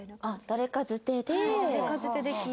あっ誰かづてで。